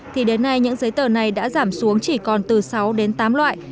thì đến nay những giấy tờ này đã giảm xuống chỉ còn từ sáu đến tám loại